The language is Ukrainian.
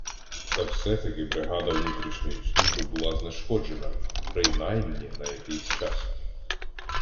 Та все-таки бригада "внутрішньої служби" була знешкоджена, принаймні на якийсь час.